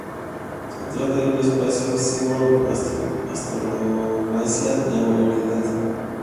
Se trata de un espejo, símbolo por antonomasia de la vanidad.